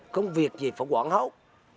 không việc gì phải quảng hốt